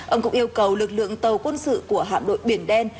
ông cũng yêu cầu lực lượng tàu quân sự của hạm đội biển đen